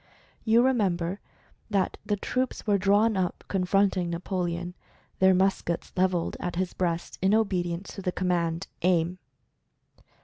You remember that the troops were drawn up confronting Napoleon, their muskets leveled at his breast in obedience to the command "Aim!"